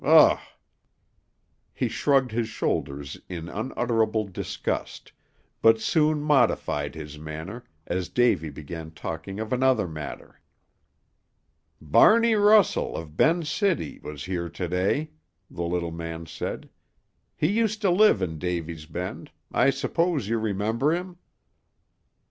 Ugh!" He shrugged his shoulders in unutterable disgust, but soon modified his manner, as Davy began talking of another matter. "Barney Russell, of Ben's City, was here to day," the little man said. "He used to live in Davy's Bend; I suppose you remember him."